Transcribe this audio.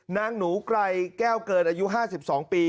นางหนูไกรแก้วเกินอายุ๕๒ปี